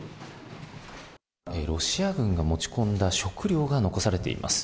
ロシア軍が持ち込んだ食料が残されています。